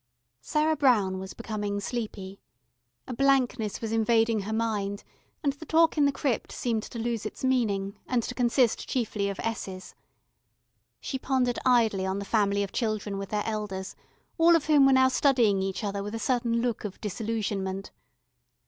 Sarah Brown was becoming sleepy. A blankness was invading her mind, and the talk in the crypt seemed to lose its meaning, and to consist chiefly of S's. She pondered idly on the family of children with their elders, all of whom were now studying each other with a certain look of disillusionment.